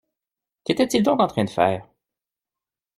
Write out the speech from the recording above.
Qu’était-il donc en train de faire?